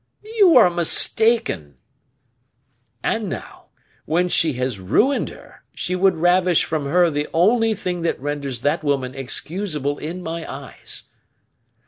"You are mistaken." "And now, when she has ruined her, she would ravish from her the only thing that renders that woman excusable in my eyes."